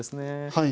はい。